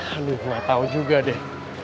aduh gak tau juga deh